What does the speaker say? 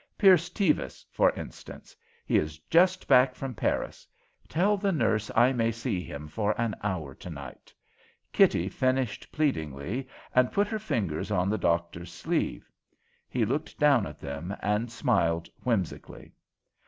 Pierce Tevis, for instance. He is just back from Paris. Tell the nurse I may see him for an hour tonight," Kitty finished pleadingly, and put her fingers on the doctor's sleeve. He looked down at them and smiled whimsically.